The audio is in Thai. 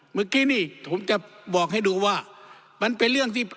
เมื่อกี้นี่ผมจะบอกให้ดูว่ามันเป็นเรื่องที่